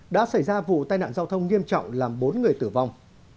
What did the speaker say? đã vụ tai nạn giao thông nghiêm trọng làm bốn người tử vong